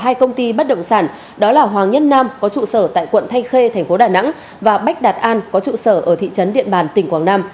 hai công ty bất động sản đó là hoàng nhất nam có trụ sở tại quận thanh khê thành phố đà nẵng và bách đạt an có trụ sở ở thị trấn điện bàn tỉnh quảng nam